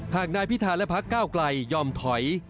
หากนายพิธาและพักเก้าไกลยอมถอย